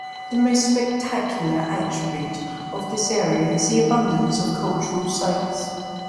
The most spectacular attribute of this area is the abundance of cultural sites.